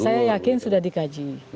saya yakin sudah dikaji